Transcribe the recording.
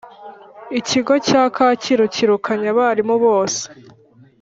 Ikigo cya kacyiru cyirukanye abarimu bose